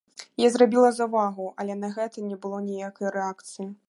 Я зрабіла заўвагу, але на гэта не было ніякай рэакцыі.